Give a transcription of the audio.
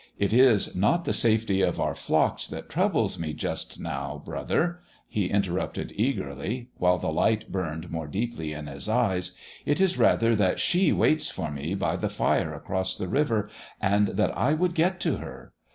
"It is not the safety of our flocks that troubles me just now, brother," he interrupted eagerly, while the light burned more deeply in his eyes. "It is, rather, that she waits for me by the fire across the river, and that I would get to her.